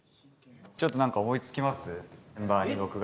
ちょっと何か思い付きます？